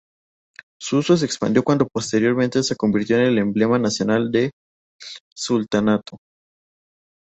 Su uso se expandió cuando posteriormente se convirtió en el emblema nacional del sultanato.